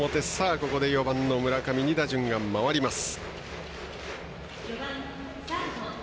ここで４番の村上に打順が回ります。